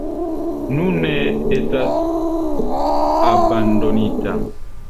Nune ĝi estas abandonita.